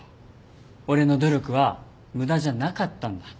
「俺の努力は無駄じゃなかったんだ」